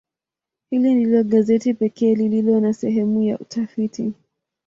Hili ndilo gazeti pekee lililo na sehemu ya utafiti.